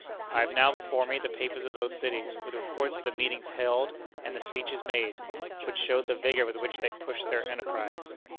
I have now before me the papers of those cities, with reports of the meetings held and the speeches made, which show the vigor with which they pushed their enterprise.